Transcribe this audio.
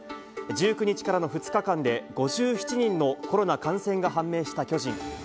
１９日からの２日間で、５７人のコロナ感染が判明した巨人。